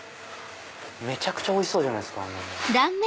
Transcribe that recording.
めちゃくちゃおいしそうじゃないですか。